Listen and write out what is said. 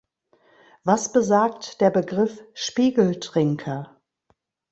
Was besagt der Begriff Spiegeltrinker?